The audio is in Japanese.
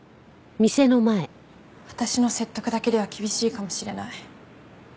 私の説得だけでは厳しいかもしれない。